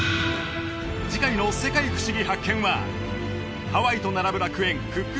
次回の「世界ふしぎ発見！」はハワイと並ぶ楽園クック